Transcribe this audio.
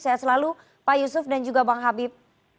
sehat selalu pak yusuf dan juga bang habib